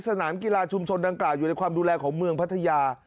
สนามกีฬาชุมชนดังกล่าอยู่ในความดูแลของเมืองพัทยา